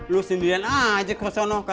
lo sendirian aja ke sana